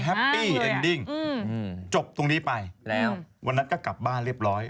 แฮปปี้จบตรงนี้ไปแล้ววันนั้นก็กลับบ้านเรียบร้อย